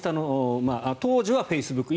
当時はフェイスブック